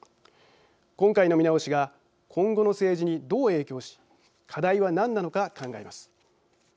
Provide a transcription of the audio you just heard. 今回の見直しが今後の政治に、どう影響し課題は何なのか、考えます。